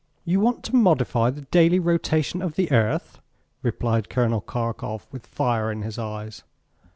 "You want to modify the daily rotation of the earth?" repeated Col. Karkof, with fire in his eyes.